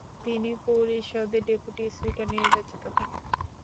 তিনি পরিষদের deputy speaker নির্বাচিত হন।